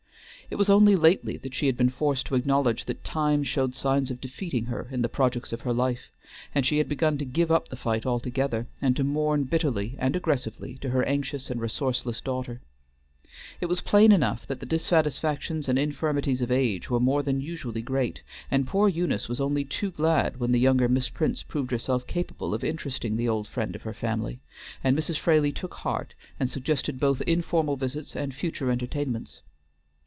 It was only lately that she had been forced to acknowledge that Time showed signs of defeating her in the projects of her life, and she had begun to give up the fight altogether, and to mourn bitterly and aggressively to her anxious and resourceless daughter. It was plain enough that the dissatisfactions and infirmities of age were more than usually great, and poor Eunice was only too glad when the younger Miss Prince proved herself capable of interesting the old friend of her family, and Mrs. Fraley took heart and suggested both informal visits and future entertainments.